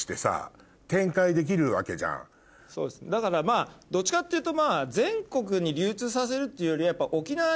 そうですだからまぁどっちかっていうと。